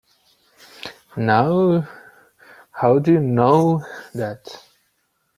Now how'd you know that?